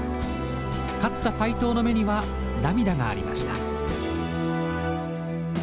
勝った斎藤の目には涙がありました。